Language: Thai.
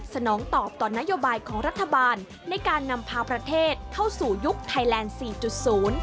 สนองตอบต่อนโนโยบายของรัฐบาลในการนำพาประเทศเข้าสู่ยุคไทยแลนด์๔๐